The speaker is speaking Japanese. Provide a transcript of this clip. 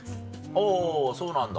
おぉそうなんだ。